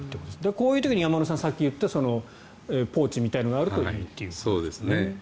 こういう時に山村さん、さっき言ったポーチみたいなのがあるといいという。